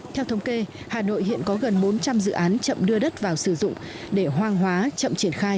theo thống kê hà nội hiện có gần bốn trăm linh dự án chậm đưa đất vào sử dụng để hoang hóa chậm triển khai và chưa có biện pháp khắc phục